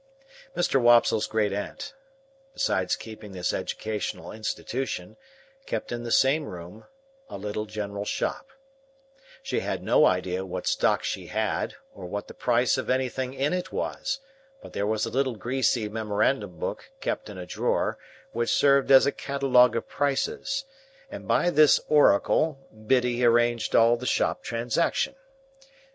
Mr. Wopsle's great aunt, besides keeping this Educational Institution, kept in the same room—a little general shop. She had no idea what stock she had, or what the price of anything in it was; but there was a little greasy memorandum book kept in a drawer, which served as a Catalogue of Prices, and by this oracle Biddy arranged all the shop transactions.